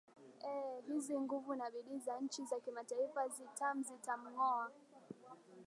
ee hizi nguvu na bidii za nchi za kimataifa zitam zitamng oa